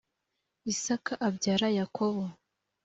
isaka abyara yakobo.